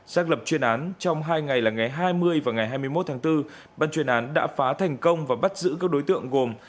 xác lập chuyên án trong hai ngày là ngày hai mươi và ngày hai mươi một tháng bốn ban chuyên án đã phá thành công và bắt giữ các đối tượng gồm